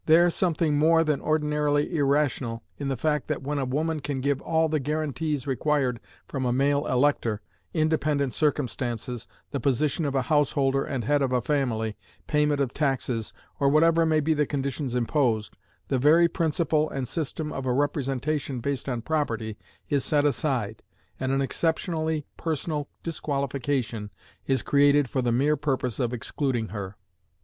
There something more than ordinarily irrational in the fact that when a woman can give all the guarantees required from a male elector, independent circumstances, the position of a householder and head of a family, payment of taxes, or whatever may be the conditions imposed, the very principle and system of a representation based on property is set aside, and an exceptionally personal disqualification is created for the mere purpose of excluding her.